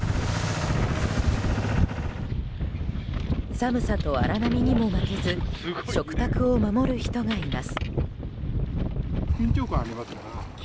寒さと荒波にも負けず食卓を守る人がいます。